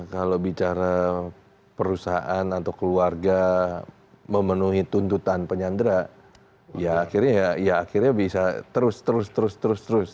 kalau bicara perusahaan atau keluarga memenuhi tuntutan penyandra ya akhirnya ya akhirnya bisa terus terus terus terus terus